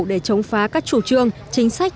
để chống phá các chủ trương chính sách